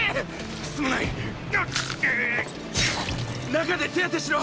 中で手当てしろ！